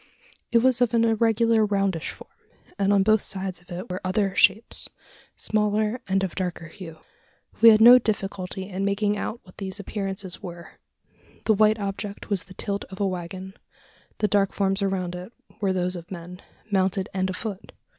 It was of an irregular roundish form; and on both sides of it were other, shapes smaller and of darker hue. We had no difficulty in making out what these appearances were: the white object was the tilt of a waggon: the dark forms around it were those of men mounted and afoot!